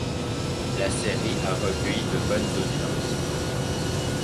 La série a recueilli de bonnes audiences.